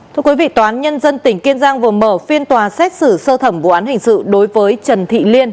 thưa quý vị tòa án nhân dân tỉnh kiên giang vừa mở phiên tòa xét xử sơ thẩm vụ án hình sự đối với trần thị liên